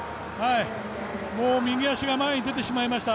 もう右足が前に出てしまいました。